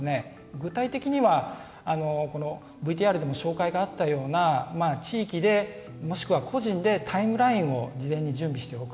具体的には、このＶＴＲでも紹介があったような地域で、もしくは個人でタイムラインを事前に準備しておく。